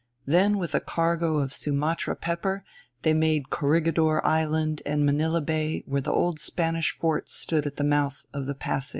Then, with a cargo of Sumatra pepper, they made Corregidor Island and Manilla Bay where the old Spanish fort stood at the mouth of the Pasig.